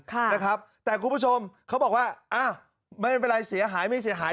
ค่ะนะครับแต่คุณผู้ชมเขาบอกว่าอ้าวไม่เป็นไรเสียหายไม่เสียหาย